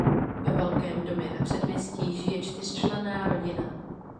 Ve velkém domě na předměstí žije čtyřčlenná rodina.